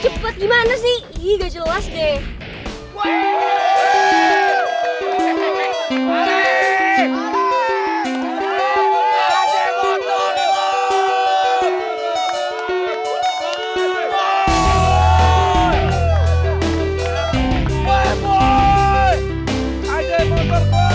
asalkan aku juga gak balap